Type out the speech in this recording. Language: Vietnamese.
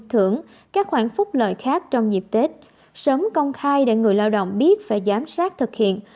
thưởng các khoản phúc lợi khác trong dịp tết sớm công khai để người lao động biết phải giám sát thực hiện